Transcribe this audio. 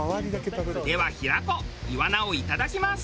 では平子イワナをいただきます。